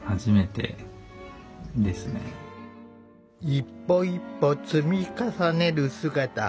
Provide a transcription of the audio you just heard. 一歩一歩積み重ねる姿。